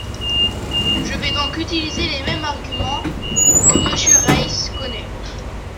Je vais donc utiliser les mêmes arguments, que Monsieur Reiss connaît.